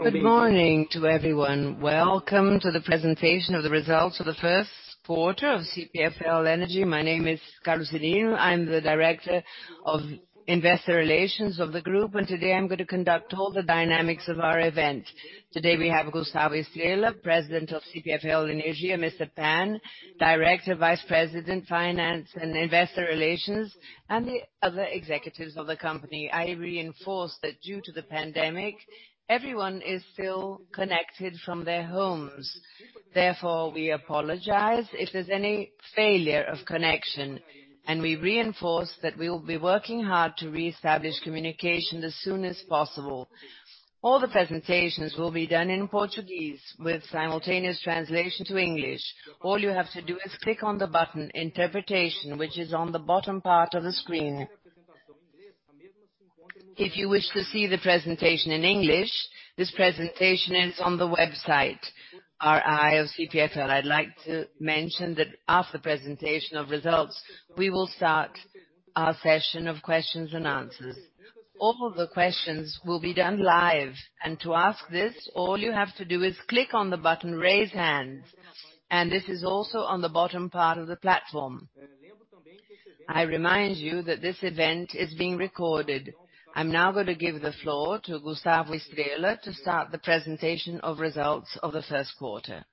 Good morning to everyone. Welcome to the presentation of the results of the first quarter of CPFL Energia. My name is Carlos Cyrino. I'm the Director of Investor Relations of the group, and today I'm going to conduct all the dynamics of our event. Today we have Gustavo Estrella, President of CPFL Energia, Mr. Pan, Director Vice President, Finance and Investor Relations, and the other executives of the company. I reinforce that due to the pandemic, everyone is still connected from their homes. Therefore we apologize if there's any failure of connection, and we reinforce that we will be working hard to re-establish communication as soon as possible. All the presentations will be done in Portuguese with simultaneous translation to English. All you have to do is click on the button Interpretation, which is on the bottom part of the screen. If you wish to see the presentation in English, this presentation is on the website, IR of CPFL. I'd like to mention that after presentation of results, we will start our session of questions and answers. All of the questions will be done live, and to ask this, all you have to do is click on the button Raise Hand. This is also on the bottom part of the platform. I remind you that this event is being recorded. I'm now going to give the floor to Gustavo Estrella to start the presentation of results of the first quarter.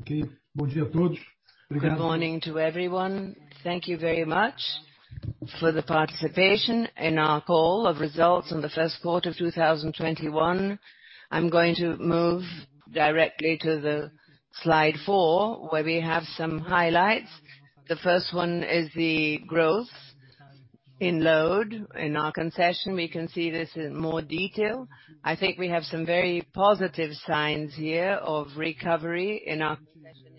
Okay. Good morning to everyone. Thank you very much for the participation in our call of results in the first quarter of 2021. I'm going to move directly to the slide four, where we have some highlights. The first one is the growth in load. In our concession, we can see this in more detail. I think we have some very positive signs here of recovery in our concessionaires.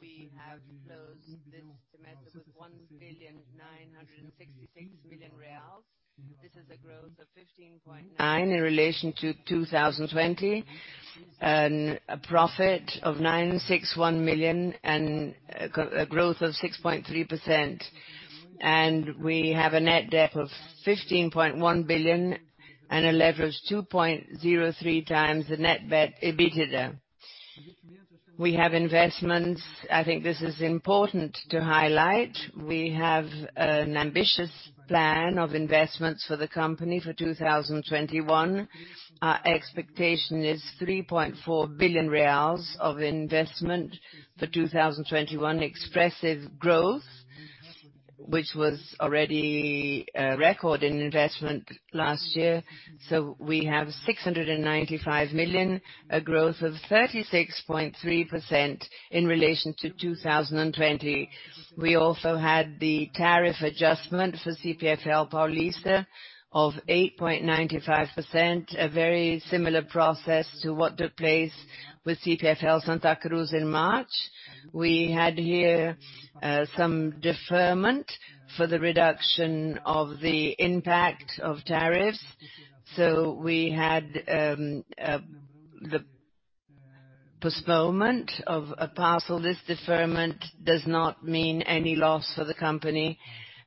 We have closed this semester with 1,966 billion. This is a growth of 15.9% in relation to 2020, and a profit of 961 million, and a growth of 6.3%. We have a net debt of 15.1 billion, and a leverage 2.03x the net debt EBITDA. We have investments. I think this is important to highlight. We have an ambitious plan of investments for the company for 2021. Our expectation is 3.4 billion reais of investment for 2021, expressive growth, which was already a record in investment last year. We have 695 million, a growth of 36.3% in relation to 2020. We also had the tariff adjustment for CPFL Paulista of 8.95%, a very similar process to what took place with CPFL Santa Cruz in March. We had here some deferment for the reduction of the impact of tariff. We had the postponement of a parcel. This deferment does not mean any loss for the company,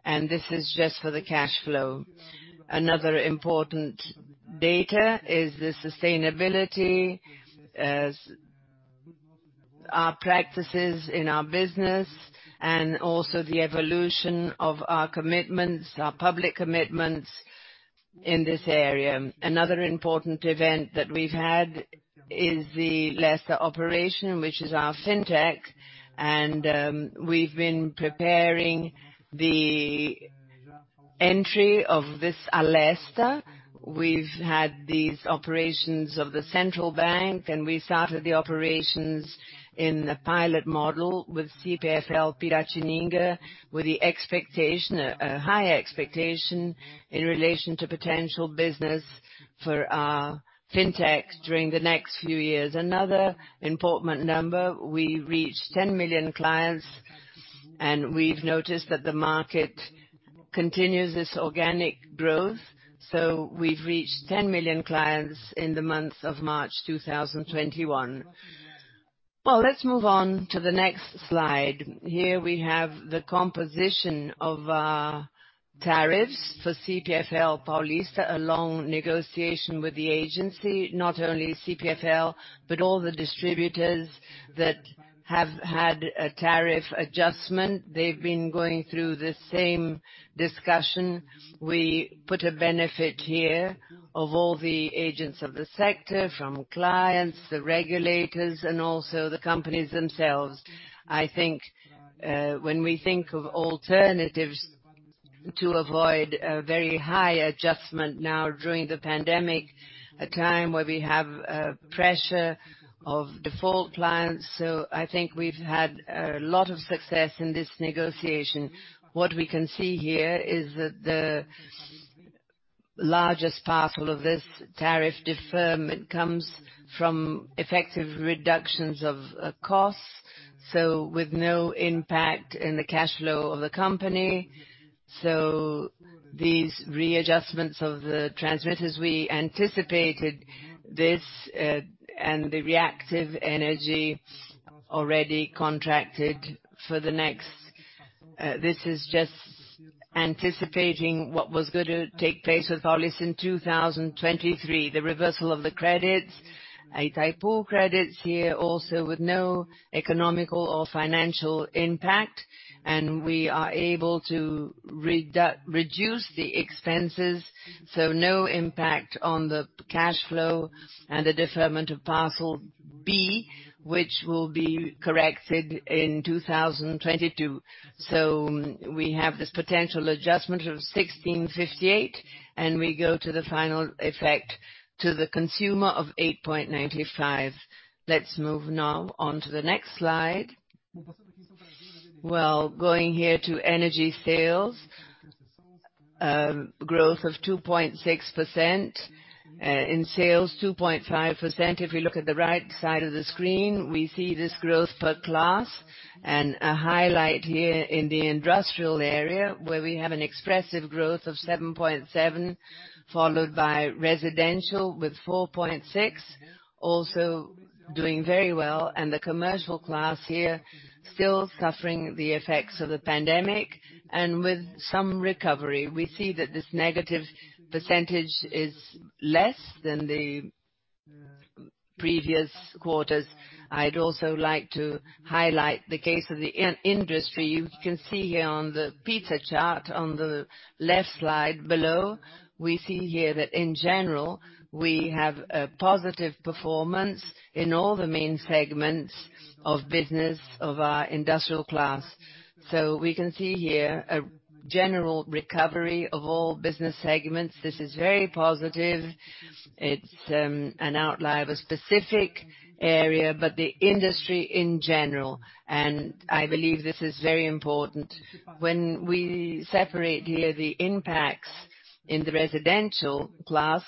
and this is just for the cash flow. Another important data is the sustainability as our practices in our business, and also the evolution of our commitments, our public commitments in this area. Another important event that we've had is the Alesta operation, which is our fintech, and we've been preparing the entry of this Alesta. We've had these operations of the central bank. We started the operations in the pilot model with CPFL Piratininga, with the expectation, a high expectation in relation to potential business for our fintech during the next few years. Another important number, we reached 10 million clients, and we've noticed that the market continues this organic growth. We've reached 10 million clients in the months of March 2021. Well, let's move on to the next slide. Here we have the composition of our tariffs for CPFL Paulista, a long negotiation with the agency, not only CPFL, but all the distributors that have had a tariff adjustment. They've been going through the same discussion. We put a benefit here of all the agents of the sector, from clients, the regulators, and also the companies themselves. I think, when we think of alternatives to avoid a very high adjustment now during the pandemic, a time where we have pressure of default clients. I think we've had a lot of success in this negotiation. What we can see here is that the largest parcel of this tariff deferment comes from effective reductions of costs, so with no impact in the cash flow of the company. These readjustments of the transmitters, we anticipated this, and the reactive energy already contracted for the next. This is just anticipating what was going to take place with Paulista in 2023, the reversal of the credits, Itaipu credits here also with no economical, or financial impact, and we are able to reduce the expenses, so no impact on the cash flow, and the deferment of Parcel B, which will be corrected in 2022. We have this potential adjustment of 1,658, and we go to the final effect to the consumer of 8.95. Let's move now onto the next slide. Well, going here to energy sales, growth of 2.6% in sales, 2.5%. If you look at the right side of the screen, we see this growth per class, and a highlight here in the industrial area where we have an expressive growth of 7.7%, followed by residential with 4.6%, also doing very well, and the commercial class here still suffering the effects of the pandemic, and with some recovery. We see that this negative percentage is less than the previous quarters. I'd also like to highlight the case of the industry. You can see here on the pizza chart on the left slide below, we see here that in general, we have a positive performance in all the main segments of business of our industrial class. We can see here a general recovery of all business segments. This is very positive. It's an outlier, a specific area, but the industry in general, and I believe this is very important. When we separate here the impacts in the residential class,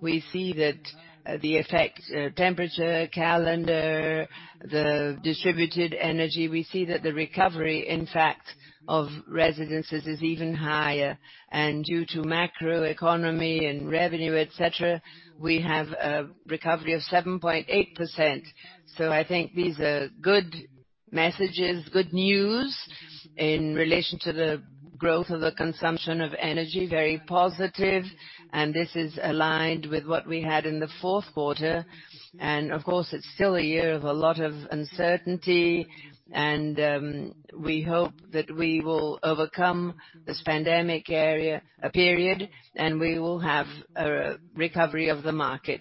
we see that the effect, temperature, calendar, the distributed energy, we see that the recovery, in fact, of residences is even higher. Due to macroeconomy, and revenue, et cetera, we have a recovery of 7.8%. I think these are good messages, good news in relation to the growth of the consumption of energy, very positive, and this is aligned with what we had in the fourth quarter. Of course, it's still a year of a lot of uncertainty, and we hope that we will overcome this pandemic area, period, and we will have a recovery of the market.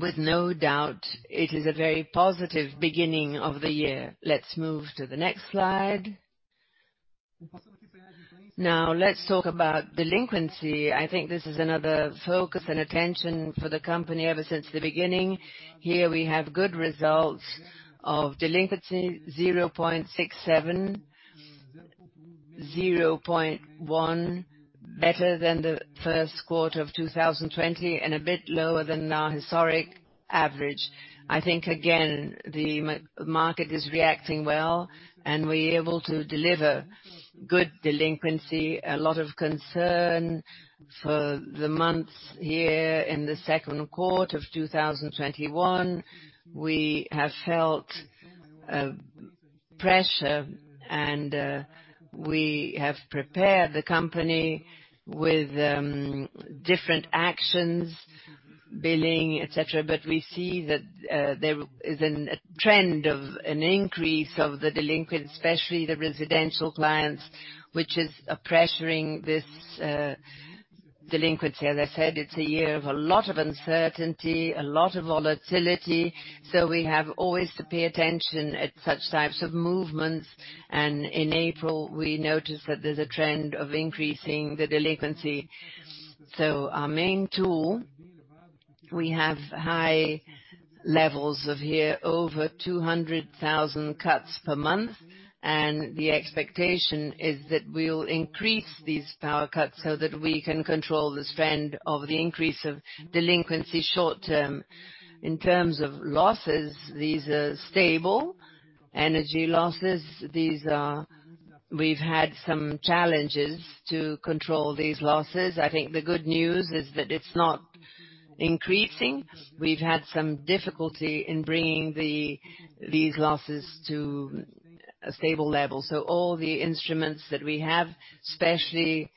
With no doubt, it is a very positive beginning of the year. Let's move to the next slide. Now, let's talk about delinquency. I think this is another focus, and attention for the company ever since the beginning. Here we have good results of delinquency, 0.67, 0.1, better than the first quarter of 2020, and a bit lower than our historic average. I think, again, the market is reacting well, and we're able to deliver good delinquency. A lot of concern for the months here in the second quarter of 2021. We have felt pressure, and we have prepared the company with different actions, billing, et cetera. We see that there is a trend of an increase of the delinquents, especially the residential clients, which is pressuring this delinquency. As I said, it's a year of a lot of uncertainty, a lot of volatility. We have always to pay attention at such types of movements. In April, we noticed that there's a trend of increasing the delinquency. Our main tool, we have high levels of here over 200,000 cuts per month, and the expectation is that we will increase these power cuts so that we can control this trend of the increase of delinquency short-term. In terms of losses, these are stable. Energy losses, these are, we've had some challenges to control these losses. I think the good news is that it's not increasing. We've had some difficulty in bringing these losses to a stable level. All the instruments that we have, especially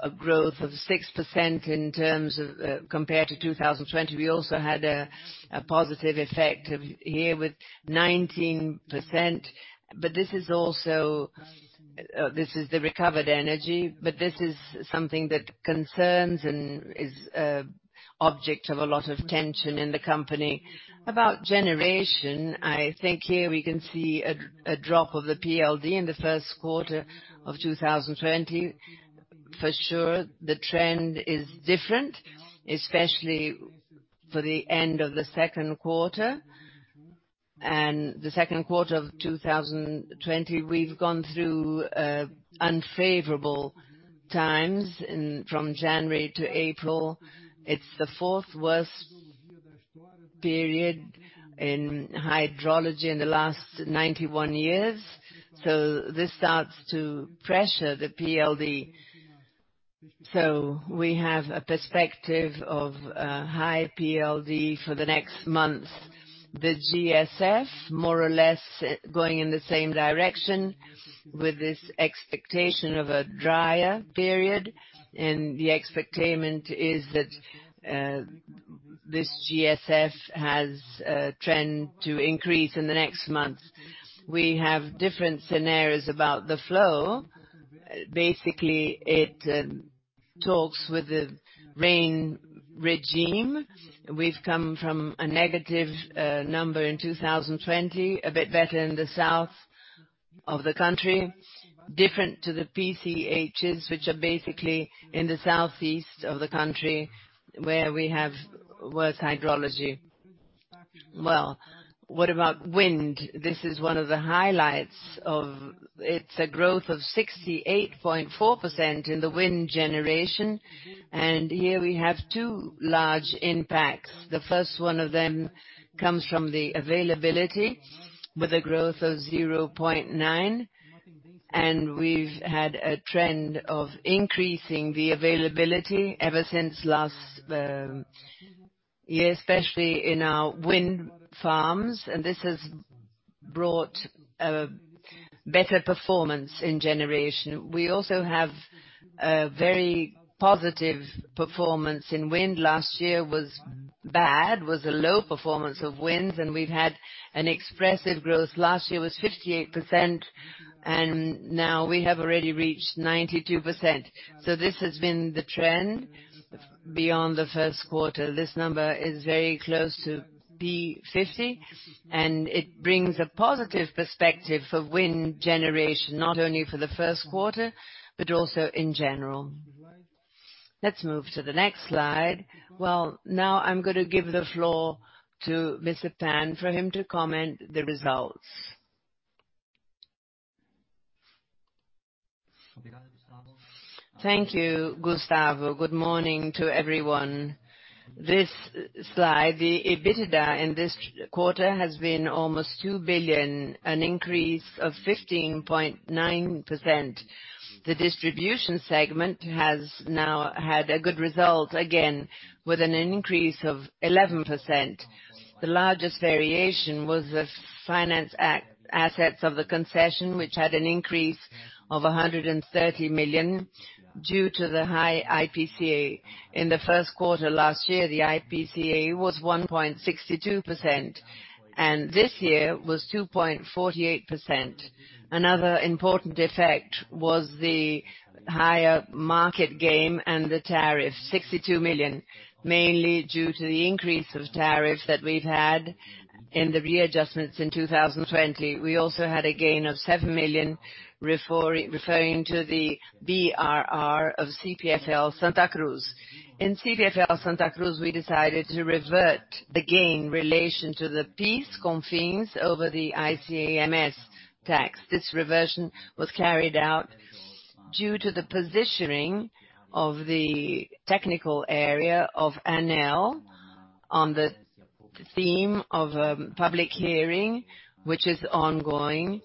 a growth of 6% in terms of, compared to 2020. We also had a positive effect here with 19%, but this also, this is the recovered energy, but this is something that concerns, and is object of a lot of tension in the company. About generation, I think here we can see a drop of the PLD in the first quarter of 2020. For sure, the trend is different, especially for the end of the second quarter. The second quarter of 2020, we've gone through unfavorable times from January to April. It's the fourth worst period in hydrology in the last 91 years. This starts to pressure the PLD. We have a perspective of high PLD for the next month. The GSF, more or less going in the same direction with this expectation of a drier period. The expectation is that this GSF has a trend to increase in the next month. We have different scenarios about the flow. Basically, it talks with the rain regime. We've come from a negative number in 2020, a bit better in the south of the country, different to the PCHs, which are basically in the southeast of the country, where we have worse hydrology. Well, what about wind? This is one of the highlights. It's a growth of 68.4% in the wind generation. Here we have two large impacts. The first one of them comes from the availability with a growth of 0.9, and we've had a trend of increasing the availability ever since last year, especially in our wind farms, and this has brought a better performance in generation. We also have a very positive performance in wind. Last year was bad, was a low performance of winds, and we've had an expressive growth. Last year was 58%, and now we have already reached 92%. This has been the trend beyond the first quarter. This number is very close to P50, and it brings a positive perspective for wind generation, not only for the first quarter, but also in general. Let's move to the next slide. Well, now I'm going to give the floor to Mr. Pan for him to comment the results. Thank you, Gustavo. Good morning to everyone. This slide, the EBITDA in this quarter has been almost 2 billion, an increase of 15.9%. The Distribution segment has now had a good result again with an increase of 11%. The largest variation was the finance assets of the concession, which had an increase of 130 million due to the high IPCA. In the first quarter last year, the IPCA was 1.62%, and this year was 2.48%. Another important effect was the higher market gain, and the tariff, 62 million, mainly due to the increase of tariffs that we've had in the readjustments in 2020. We also had a gain of 7 million referring to the BRR of CPFL Santa Cruz. In CPFL Santa Cruz, we decided to revert the gain in relation to the PIS/COFINS over the ICMS tax. This reversion was carried out due to the positioning of the technical area of ANEEL on the theme of a public hearing, which is ongoing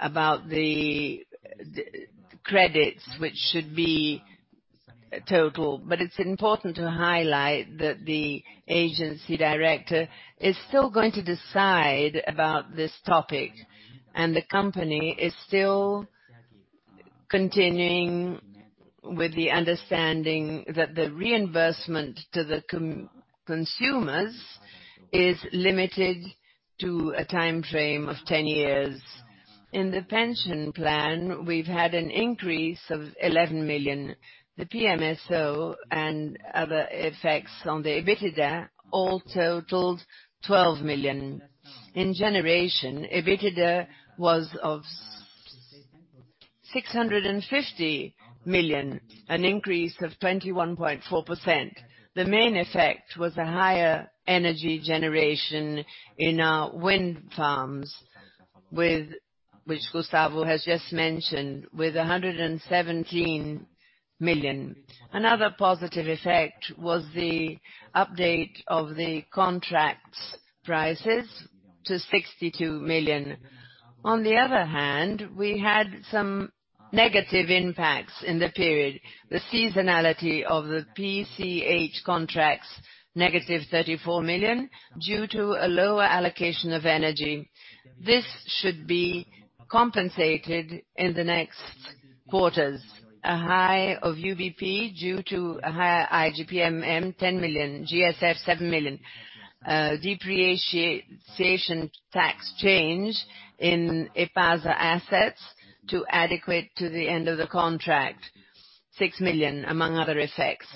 about the credits, which should be total. It's important to highlight that the agency director is still going to decide about this topic, and the company is still continuing with the understanding that the reinvestment to the consumers is limited to a timeframe of 10 years. In the pension plan, we've had an increase of 11 million. The PMSO and other effects from the EBITDA all totaled 12 million. In generation, EBITDA was of 650 million, an increase of 21.4%. The main effect was a higher energy generation in our wind farms, which Gustavo has just mentioned, with 117 million. Another positive effect was the update of the contracts prices to 62 million. On the other hand, we had some negative impacts in the period. The seasonality of the PCH contracts, -34 million, due to a lower allocation of energy. This should be compensated in the next quarters. A high of UBP due to a higher IGP-M/IN, 10 million, GSF, 7 million. Depreciation tax change in EPASA assets to adequate to the end of the contract, 6 million, among other effects.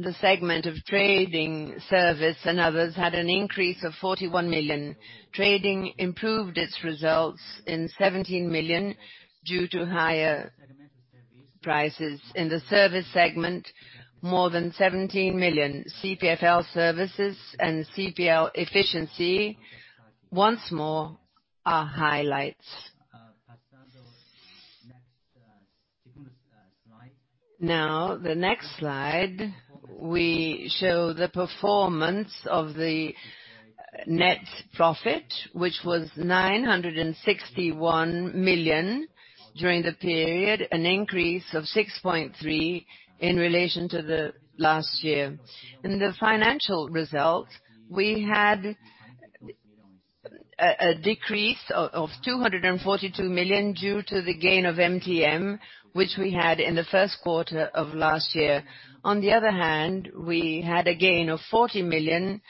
The segment of Trading Service and others had an increase of 41 million. Trading improved its results in 17 million due to higher prices. In the Service segment, more than 17 million CPFL Services and CPFL Efficiency, once more, are highlights. Now, the next slide, we show the performance of the net profit, which was 961 million during the period, an increase of 6.3% in relation to the last year. In the financial result, we had a decrease of 242 million due to the gain of MTM, which we had in the first quarter of last year. On the other hand, we had a gain of 40 million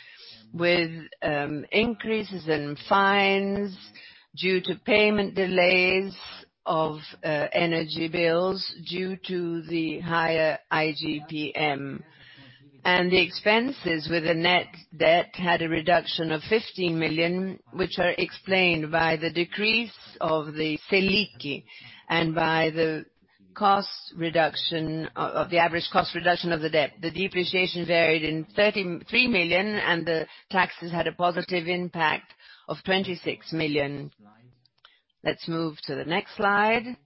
with increases in fines due to payment delays of energy bills due to the higher IGP-M. The expenses with the net debt had a reduction of 50 million, which are explained by the decrease of the Selic, and by the cost reduction, the average cost reduction of the debt. The depreciation varied in 33 million, and the taxes had a positive impact of 26 million. Let's move to the next slide.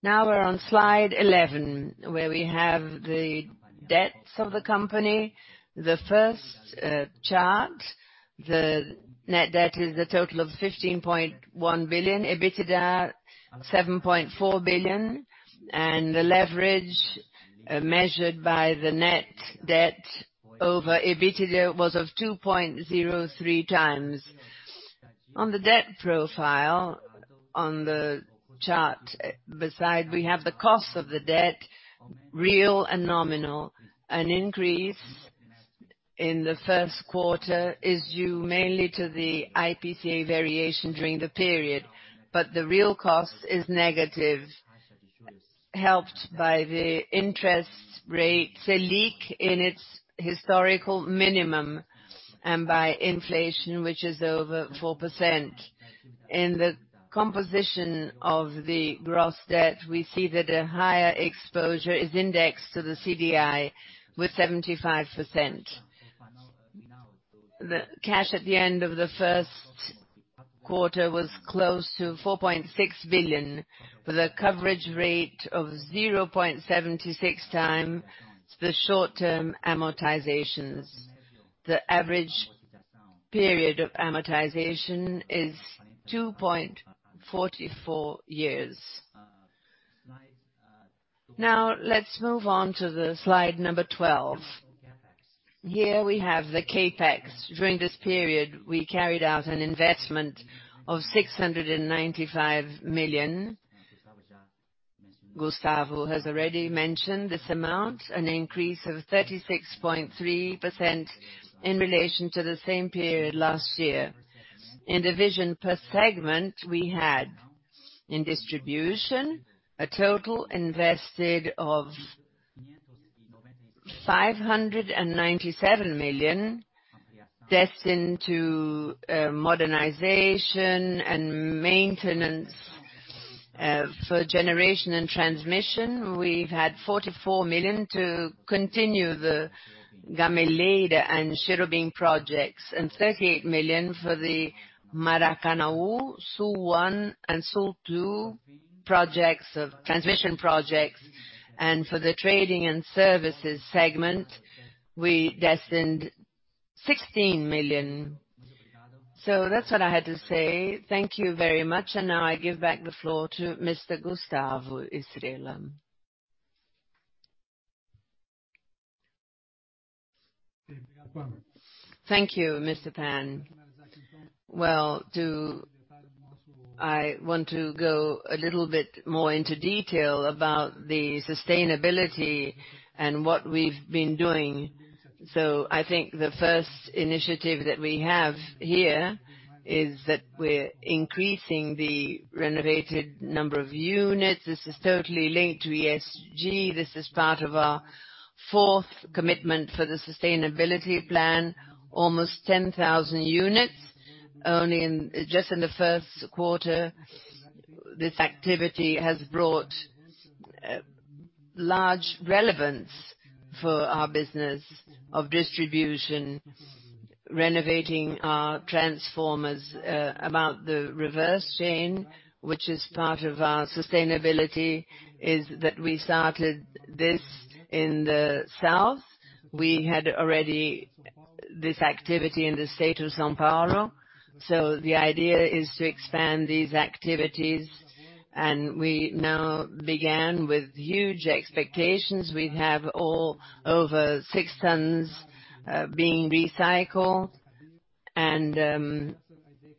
Now we're on slide 11, where we have the debts of the company. The first chart, the net debt is a total of 15.1 billion, EBITDA 7.4 billion, and the leverage measured by the net debt over EBITDA was of 2.03x. On the debt profile, on the chart beside, we have the cost of the debt, real and nominal. An increase in the first quarter is due mainly to the IPCA variation during the period, but the real cost is negative, helped by the interest rate Selic in its historical minimum, and by inflation, which is over 4%. In the composition of the gross debt, we see that a higher exposure is indexed to the CDI with 75%. The cash at the end of the first quarter was close to 4.6 billion, with a coverage rate of 0.76x the short-term amortizations. The average period of amortization is 2.44 years. Now, let's move on to slide number 12. Here we have the CapEx. During this period, we carried out an investment of 695 million. Gustavo has already mentioned this amount, an increase of 36.3% in relation to the same period last year. In division per segment, we had in Distribution a total invested of 597 million destined to modernization, and maintenance. For Generation and Transmission, we've had 44 million to continue the Gameleira and Cherobim projects, and 38 million for the Maracanaú, SU I and SU II projects, transition projects. For the Trading and Services segment, we destined 16 million. That's what I had to say. Thank you very much, and now I give back the floor to Mr. Gustavo Estrella. Thank you, Mr. Pan. I want to go a little bit more into detail about the sustainability, and what we've been doing. I think the first initiative that we have here is that we're increasing the renovated number of units. This is totally linked to ESG. This is part of our fourth commitment for the sustainability plan, almost 10,000 units. Just in the first quarter, this activity has brought large relevance for our business of distribution, renovating our transformers. About the reverse chain, which is part of our sustainability, is that we started this in the south. We had already this activity in the state of São Paulo. The idea is to expand these activities, and we now began with huge expectations. We have over 6 tons being recycled, and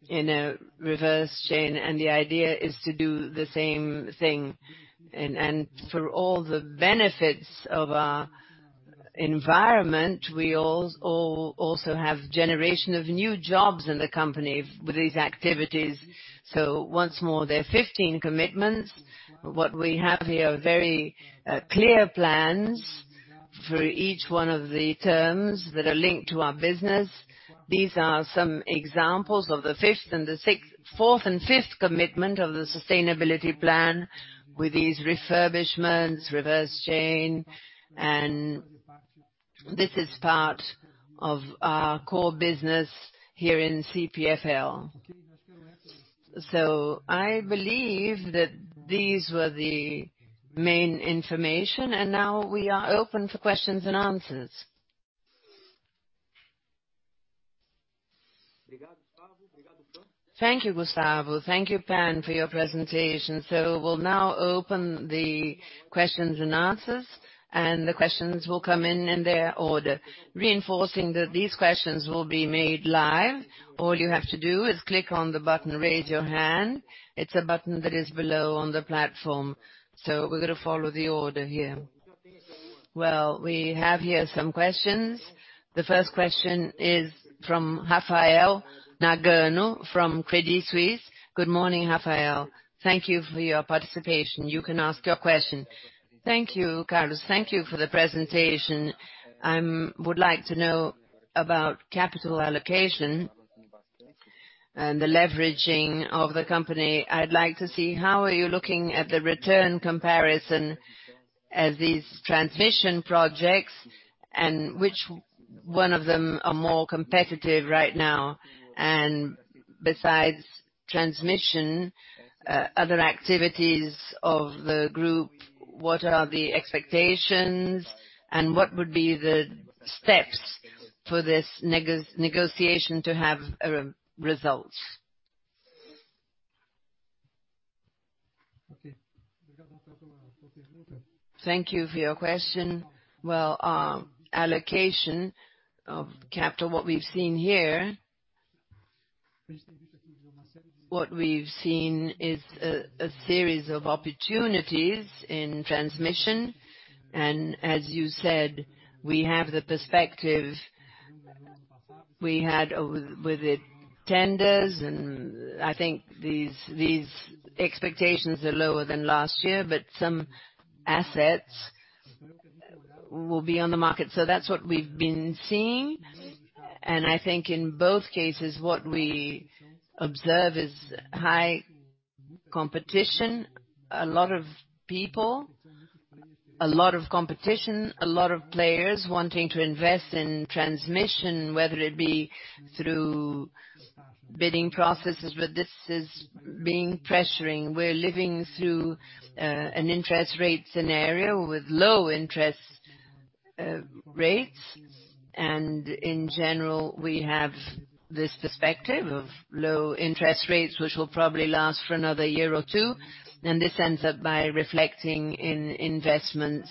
in a reverse chain, and the idea is to do the same thing. For all the benefits of our environment, we also have generation of new jobs in the company with these activities. Once more, there are 15 commitments. What we have here are very clear plans for each one of the terms that are linked to our business. These are some examples of the fifth and the sixth, fourth and fifth commitment of the sustainability plan with these refurbishments, reverse chain, and this is part of our core business here in CPFL. I believe that these were the main information, and now we are open for questions and answers. Thank you, Gustavo. Thank you, Pan, for your presentation. We'll now open the questions and answers, and the questions will come in their order. Reinforcing that these questions will be made live. All you have to do is click on the button, Raise Your Hand. It's a button that is below on the platform. We're going to follow the order here. Well, we have here some questions. The first question is from Rafael Nagano from Credit Suisse. Good morning, Rafael. Thank you for your participation. You can ask your question. Thank you, Carlos. Thank you for the presentation. I would like to know about capital allocation, and the leveraging of the company. I'd like to see, how are you looking at the return comparison at these transmission projects, and which one of them are more competitive right now? Besides transmission, other activities of the group, what are the expectations, and what would be the steps for this negotiation to have results? Thank you for your question. Well, allocation of capital, what we've seen here, what we've seen is a series of opportunities in transmission. As you said, we have the perspective, we had with the tenders, and I think these expectations are lower than last year, but some assets will be on the market. That's what we've been seeing. I think in both cases, what we observe is high competition, a lot of people, a lot of competition, a lot of players wanting to invest in transmission, whether it be through bidding processes. This is being pressuring. We're living through an interest rate scenario with low interest rates. In general, we have this perspective of low interest rates, which will probably last for another year or two, and this ends up by reflecting in investments.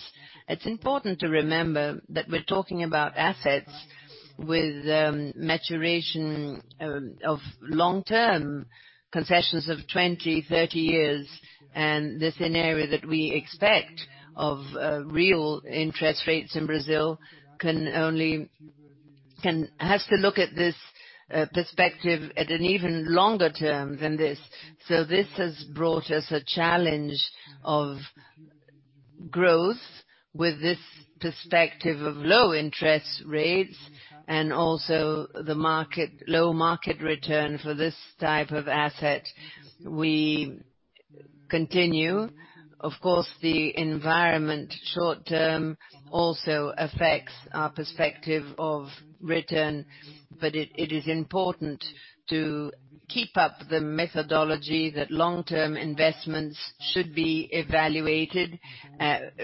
It's important to remember that we're talking about assets with maturation of long-term concessions of 20, 30 years. The scenario that we expect of real interest rates in Brazil can only, has to look at this perspective at an even longer term than this. This has brought us a challenge of growth with this perspective of low interest rates, and also the market, the low market return for this type of asset. We continue. Of course, the environment short term also affects our perspective of return, but it is important to keep up the methodology that long term investments should be evaluated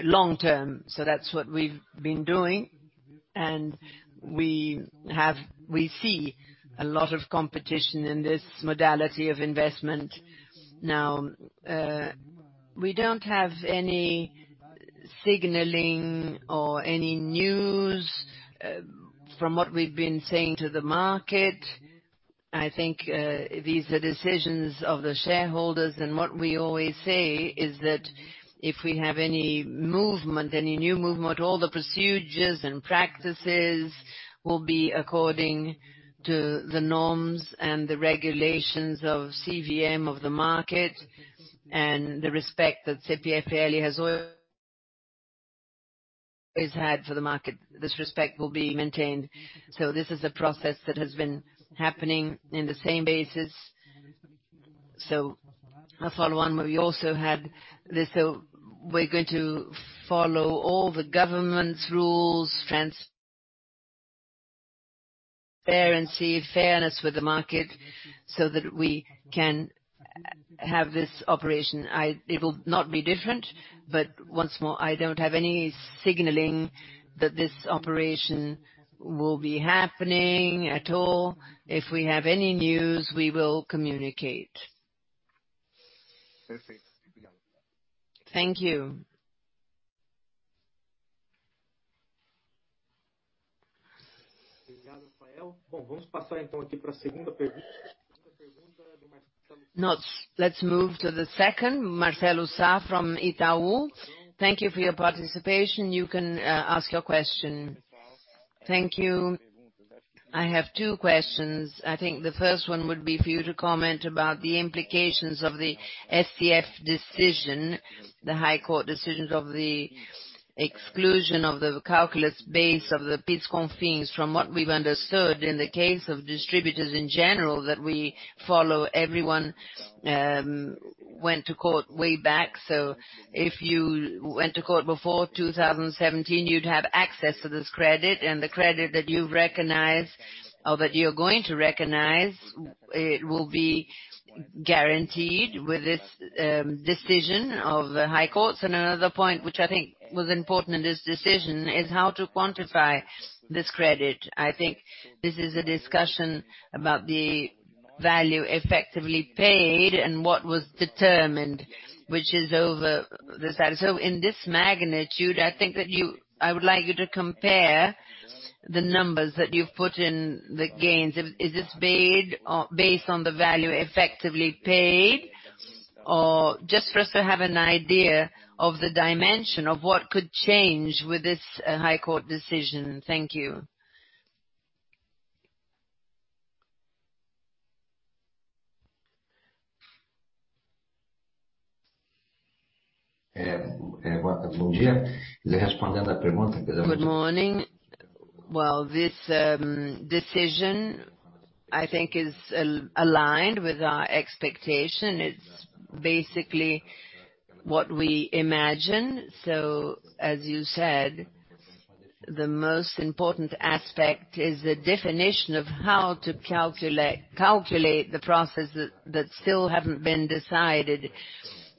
long term. That's what we've been doing. We have, we see a lot of competition in this modality of investment. Now we don't have any signaling, or any news from what we've been saying to the market. I think these are decisions of the shareholders, and what we always say is that if we have any movement, any new movement, all the procedures, and practices will be according to the norms, and the regulations of CVM of the market, and the respect that CPFL has always had for the market, this respect will be maintained. This is a process that has been happening in the same basis. I'll follow on. We also had, we're going to follow all the government rules, transparency, fairness for the market, so that we can have this operation. It will not be different, but once more, I don't have any signaling that this operation will be happening at all. If we have any news, we will communicate. Thank you. Let's move to the second, Marcelo Sá from Itaú. Thank you for your participation. You can ask your question. Thank you. I have two questions. I think the first one would be for you to comment about the implications of the STF decision, the High Court decision of the exclusion of the calculus base of the PIS/COFINS. From what we've understood in the case of distributors in general that we follow, everyone went to court way back. If you went to court before 2017, you'd have access to this credit, and the credit that you recognize, or that you're going to recognize, it will be guaranteed with this decision of the High Courts. Another point which I think was important in this decision is how to quantify this credit. I think this is a discussion about the value effectively paid, and what was determined, which is over the side. In this magnitude, I think that you, I would like you to compare the numbers that you've put in the gains. Is this based on the value effectively paid, or just for us to have an idea of the dimension of what could change with this high court decision. Thank you. Good morning. This decision, I think is aligned with our expectation. It's basically what we imagined. As you said, the most important aspect is the definition of how to calculate the processes that still haven't been decided,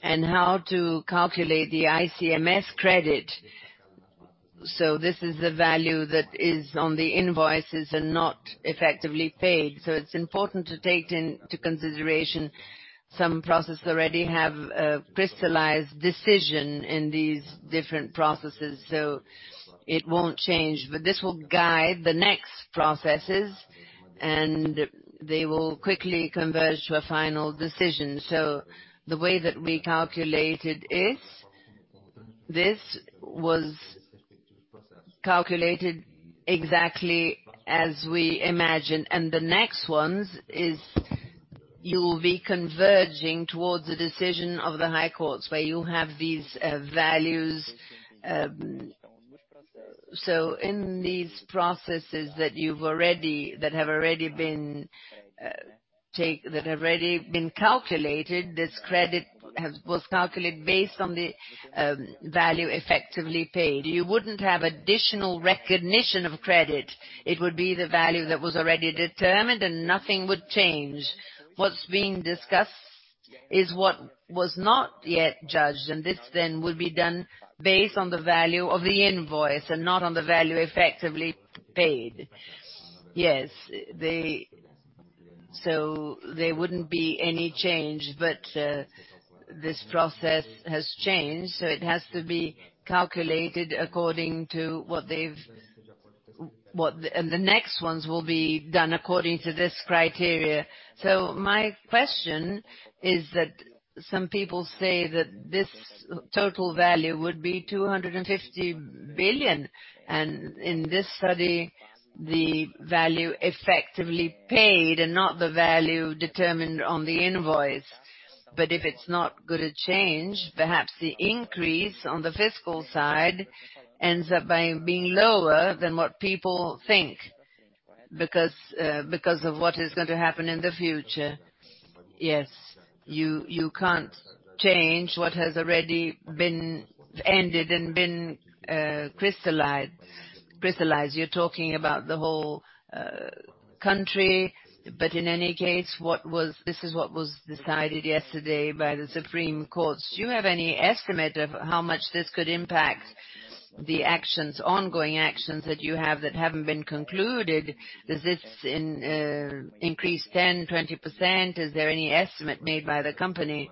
and how to calculate the ICMS credit. This is the value that is on the invoices, and not effectively paid. It's important to take into consideration some processes already have a crystallized decision in these different processes, so it won't change, but this will guide the next processes, and they will quickly converge to a final decision. The way that we calculated is, this was calculated exactly as we imagined, and the next ones is you will be converging towards the decision of the High Courts where you have these values. In these processes that you already, that have already been, that already have been calculated, this credit was calculated based on the value effectively paid. You wouldn't have additional recognition of credit. It would be the value that was already determined, and nothing would change. What's being discussed is what was not yet judged, and this then would be done based on the value of the invoice, and not on the value effectively paid. Yes. There wouldn't be any change, but this process has changed, so it has to be calculated according to what they've, and the next ones will be done according to this criteria. My question is that some people say that this total value would be 250 billion, and in this study, the value effectively paid, and not the value determined on the invoice. If it's not going to change, perhaps the increase on the fiscal side ends up being lower than what people think because of what is going to happen in the future. Yes. You can't change what has already been ended, and been crystallized. You're talking about the whole country, but in any case, this is what was decided yesterday by the Supreme Court. Do you have any estimate of how much this could impact the ongoing actions that you have that haven't been concluded? Does this increase 10%, 20%? Is there any estimate made by the company?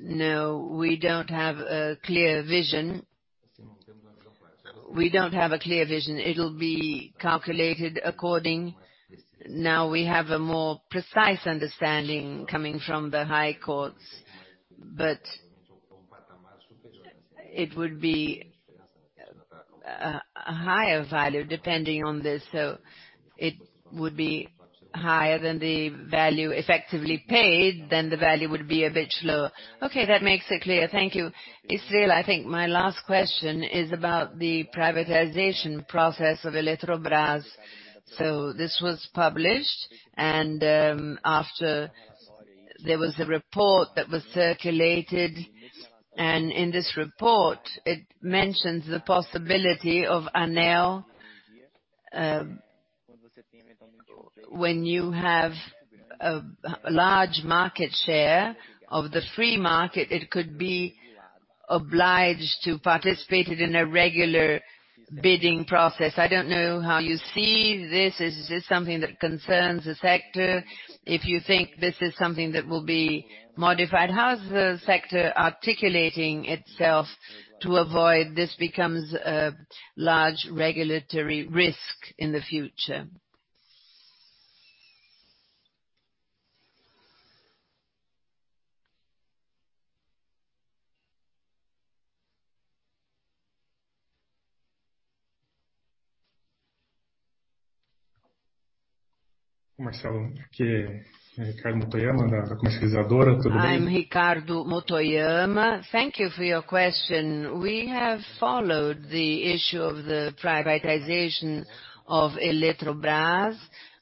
No, we don't have a clear vision. We don't have a clear vision. It'll be calculated according. Now we have a more precise understanding coming from the High Courts, but it would be a higher value depending on this. It would be higher than the value effectively paid, then the value would be a bit lower. Okay, that makes it clear. Thank you. This is I think my last question is about the privatization process of Eletrobras. This was published, and after there was a report that was circulated, and in this report, it mentions the possibility of ANEEL. When you have a large market share of the free market, it could be obliged to participate in a regular bidding process. I don't know how you see this. Is this something that concerns the sector? If you think this is something that will be modified, how is the sector articulating itself to avoid this becomes a large regulatory risk in the future? I'm Ricardo Motoyama. Thank you for your question. We have followed the issue of the privatization of Eletrobras.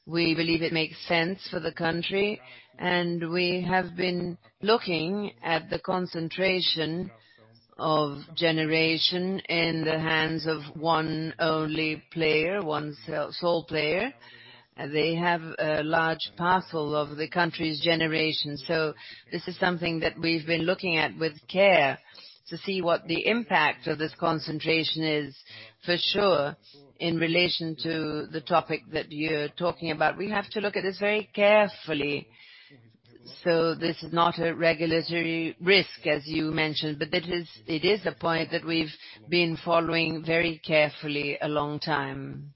We believe it makes sense for the country, and we have been looking at the concentration of generation in the hands of one only player, one sole player. They have a large parcel of the country's generation. This is something that we've been looking at with care to see what the impact of this concentration is for sure in relation to the topic that you're talking about. We have to look at this very carefully. This is not a regulatory risk, as you mentioned, but it is a point that we've been following very carefully a long time.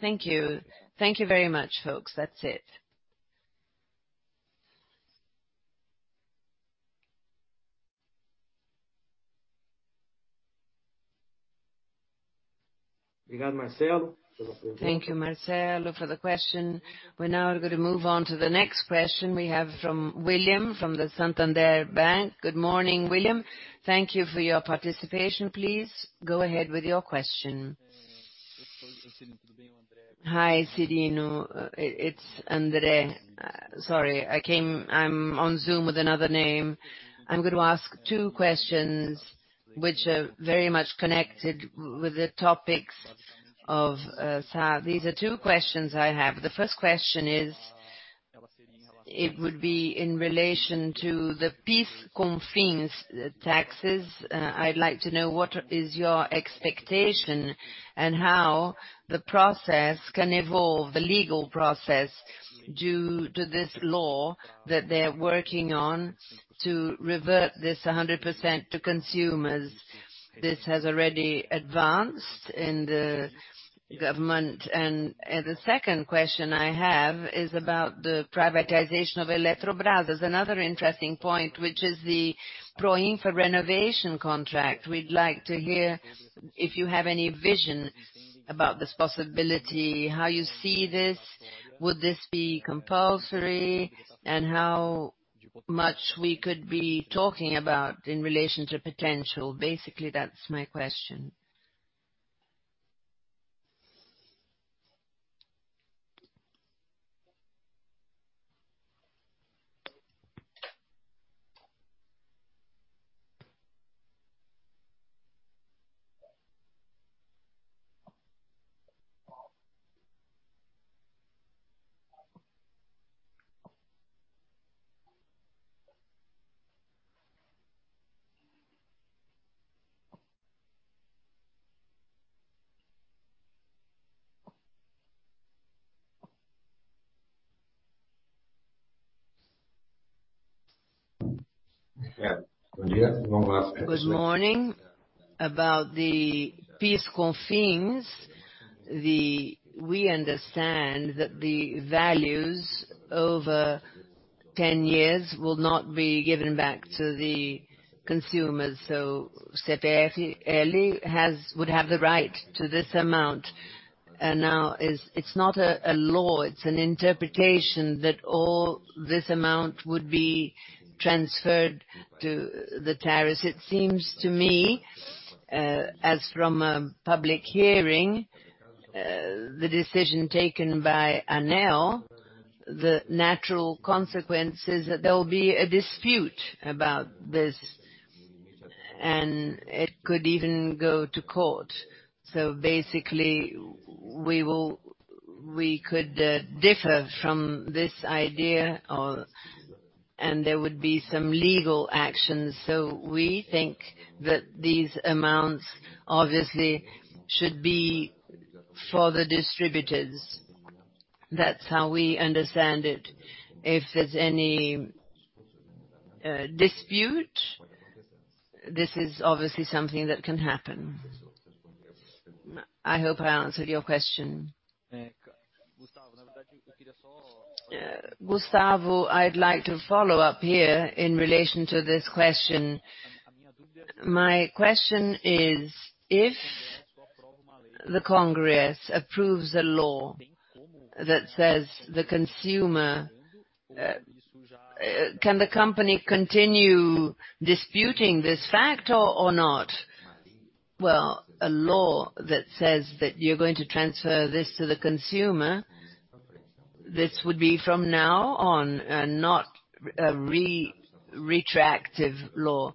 Thank you. Thank you very much, folks. That's it. Thank you, Marcelo, for the question. We're now going to move on to the next question we have from William from Santander Bank. Good morning, William. Thank you for your participation. Please go ahead with your question. Hi, Cyrino. It's André. Sorry, I came, I'm on Zoom with another name. I'm going to ask two questions which are very much connected with the topics of Sá. These are two questions I have. The first question is, it would be in relation to the PIS/COFINS taxes. I'd like to know what is your expectation, and how the process can evolve, the legal process, due to this law that they're working on to revert this 100% to consumers? This has already advanced? The second question I have is about the privatization of Eletrobras. Another interesting point, which is the PROINFA renovation contract. We'd like to hear if you have any vision about this possibility, how you see this, would this be compulsory, and how much we could be talking about in relation to potential? Basically, that's my question. Good morning. About the PIS/COFINS, we understand that the values over 10 years will not be given back to the consumers. CPFL Energia would have the right to this amount. Now it's not a law, it's an interpretation that all this amount would be transferred to the tariffs. It seems to me, as from a public hearing, the decision taken by ANEEL, the natural consequence is that there will be a dispute about this, and it could even go to court. Basically, we could differ from this idea, and there would be some legal action. We think that these amounts obviously should be for the distributors. That's how we understand it. If there's any dispute, this is obviously something that can happen. I hope I answered your question. Gustavo, I'd like to follow up here in relation to this question. My question is if the Congress approves a law that says the consumer, can the company continue disputing this fact, or not? Well, a law that says that you're going to transfer this to the consumer, this would be from now on, and not a retroactive law.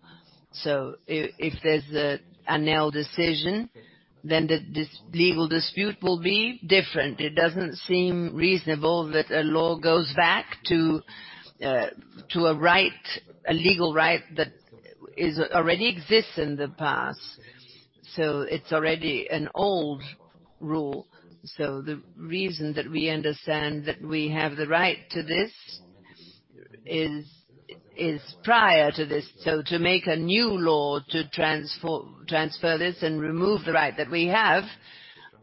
If there's an ANEEL decision, then the legal dispute will be different. It doesn't seem reasonable that a law goes back to a right, a legal right that already exists in the past. It's already an old rule. The reason that we understand that we have the right to this is prior to this. To make a new law to transfer this, and remove the right that we have,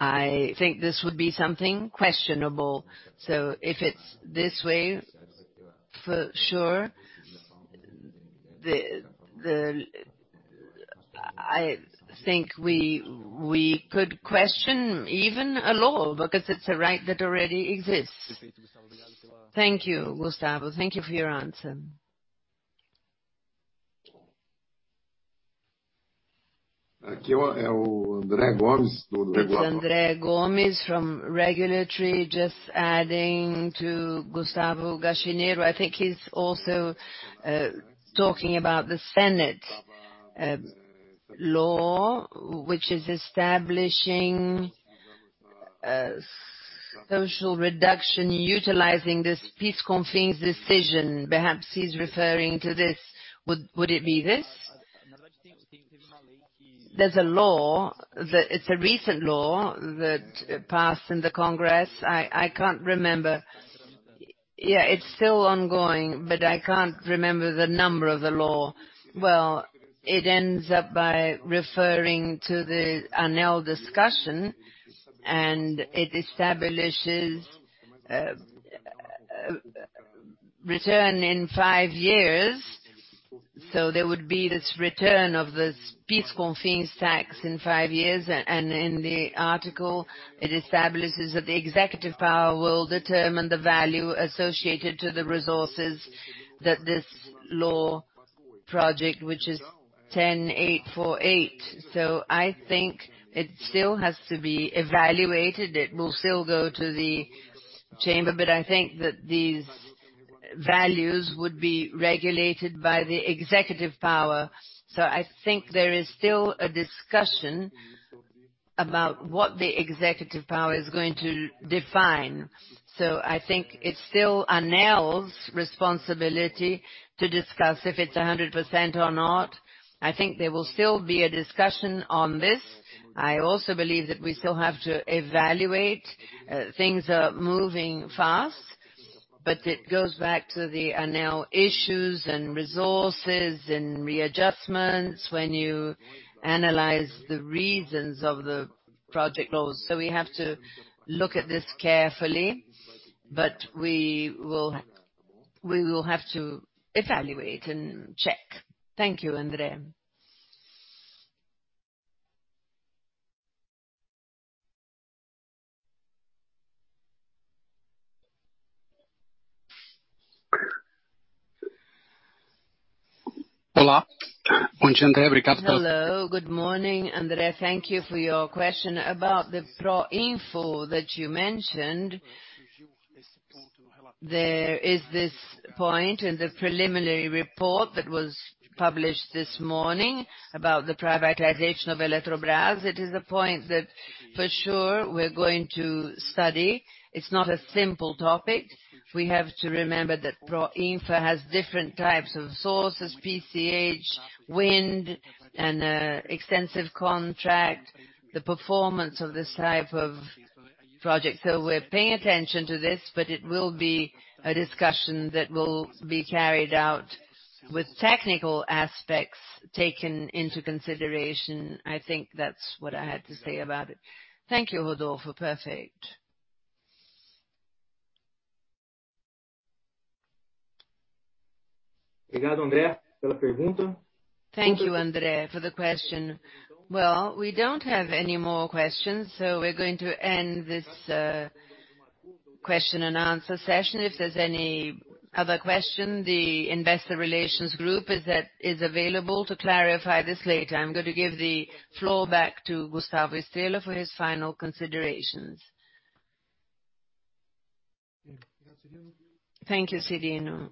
I think this would be something questionable. If it's this way, for sure, I think we could question even a law because it's a right that already exists. Thank you, Gustavo. Thank you for your answer. It's André Gomes from Regulatory, just adding to Gustavo Gachineiro. I think he's also talking about the Senate law, which is establishing social reduction utilizing this PIS/COFINS decision. Perhaps he's referring to this. Would it be this? There's a law, it's a recent law that passed in the Congress. I can't remember. Yeah, it's still ongoing, but I can't remember the number of the law. Well, it ends up by referring to the ANEEL discussion, and it establishes return in five years. There would be this return of this PIS/COFINS tax in five years, and in the article, it establishes that the executive power will determine the value associated to the resources that this law project, which is 10848. I think it still has to be evaluated. It will still go to the chamber, but I think that these values would be regulated by the executive power. I think there is still a discussion about what the executive power is going to define. I think it's still ANEEL's responsibility to discuss if it's 100% or not. I think there will still be a discussion on this. I also believe that we still have to evaluate. Things are moving fast, but it goes back to the ANEEL issues, and resources, and readjustments when you analyze the reasons of the project goals. We have to look at this carefully, but we will have to evaluate, and check. Thank you, André. Hello, good morning, André. Thank you for your question. About the PROINFA that you mentioned, there is this point in the preliminary report that was published this morning about the privatization of Eletrobras. It is a point that for sure we're going to study. It's not a simple topic. We have to remember that PROINFA has different types of sources, PCH, wind, and extensive contract, the performance of this type of project. We're paying attention to this, but it will be a discussion that will be carried out with technical aspects taken into consideration. I think that's what I had to say about it. Thank you, Rodolfo. Perfect. Thank you, André, for the question. Well, we don't have any more questions, so we're going to end this question and answer session. If there's any other question, the investor relations group is available to clarify this later. I'm going to give the floor back to Gustavo Estrella for his final considerations. Thank you, Cyrino.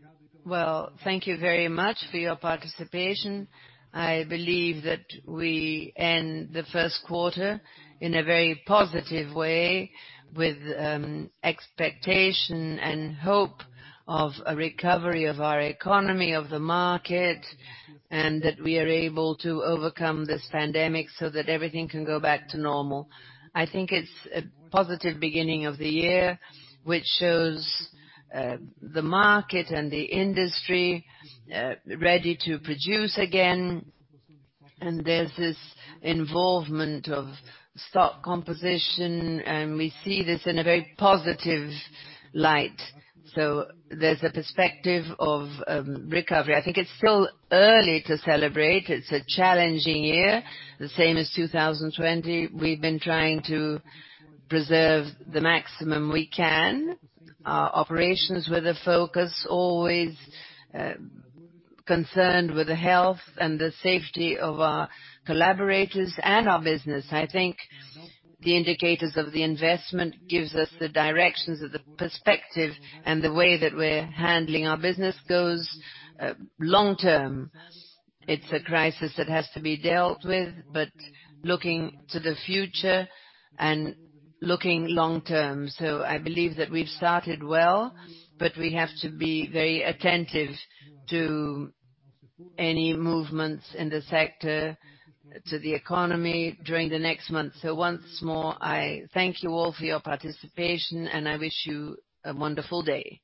Thank you very much for your participation. I believe that we end the first quarter in a very positive way with expectation, and hope of a recovery of our economy, of the market, and that we are able to overcome this pandemic so that everything can go back to normal. I think it's a positive beginning of the year, which shows the market, and the industry ready to produce again. There's this involvement of stock composition, and we see this in a very positive light. There's a perspective of recovery. I think it's still early to celebrate. It's a challenging year, the same as 2020. We've been trying to preserve the maximum we can. Our operations were the focus, always concerned with the health, and the safety of our collaborators, and our business. I think the indicators of the investment gives us the directions of the perspective, and the way that we're handling our business goes long-term. It's a crisis that has to be dealt with, but looking to the future, and looking long-term. I believe that we've started well, but we have to be very attentive to any movements in the sector, to the economy during the next month. Once more, I thank you all for your participation, and I wish you a wonderful day.